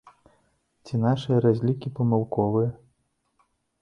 Ці нашыя разлікі памылковыя?